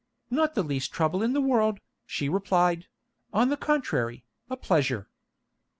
"Not the least trouble in the world," she replied; "on the contrary, a pleasure."